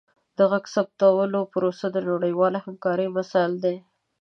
د غږ ثبتولو پروسه د نړیوالې همکارۍ مثال دی.